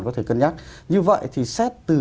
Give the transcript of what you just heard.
có thể cân nhắc như vậy thì xét từ